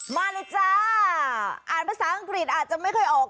มาเลยจ้าอ่านภาษาอังกฤษอาจจะไม่ค่อยออก